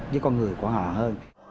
với con người của họ